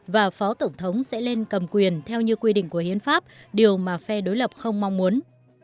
và phó tổng thống sẽ lên cầm quyền theo như quy định của hiến pháp điều mà phe đối lập không mong muốn